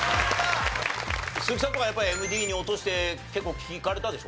鈴木さんとかやっぱりＭＤに落として結構聴かれたでしょ？